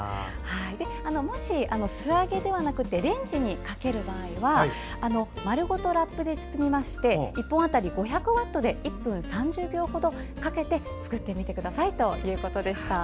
もし、素揚げではなくレンジにかける場合は丸ごとラップで包んで１本あたり５００ワットで１分３０秒ほどかけて作ってみてくださいということでした。